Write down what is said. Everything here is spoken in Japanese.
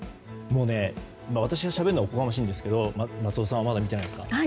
もうね、私がしゃべるのはおこがましいんですけど松尾さんはまだ見てないですか？